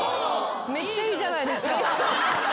・めっちゃいいじゃないですか。